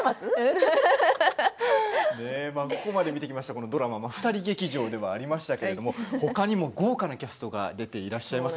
このドラマ２人劇場ではありましたけど、ほかにも豪華なキャストが出ていらっしゃいます。